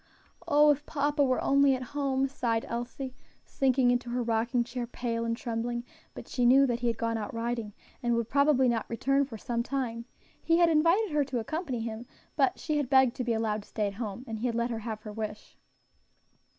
"Oh! if papa was only at home," sighed Elsie, sinking into her rocking chair, pale and trembling; but she knew that he had gone out riding, and would probably not return for some time; he had invited her to accompany him, but she had begged to be allowed to stay at home, and he had let her have her wish.